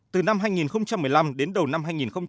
từ năm hai nghìn một mươi năm đến đầu năm hai nghìn một mươi bảy